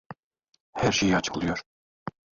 Her şeyi açıklıyor.